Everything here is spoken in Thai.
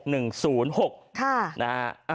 ๖๑๐๖ค่ะนะฮะ